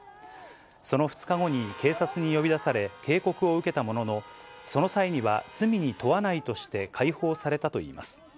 その２日後に警察に呼び出され、警告を受けたものの、その際には、罪に問わないとして、解放されたといいます。